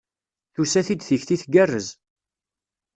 Tusa-t-id tikti tgerrez.